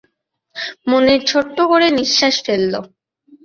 মুনির ছোট্ট করে নিঃশ্বাস ফেলল।